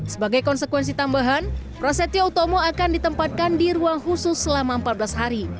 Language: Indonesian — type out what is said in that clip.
sebagai konsekuensi tambahan prasetya utomo akan ditempatkan di ruang khusus selama empat belas hari